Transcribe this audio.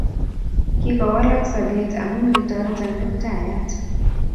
Kikowalak sobet amun kitoreto Kiptaiyat.